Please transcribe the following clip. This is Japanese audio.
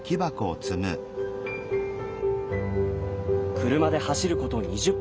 車で走ること２０分。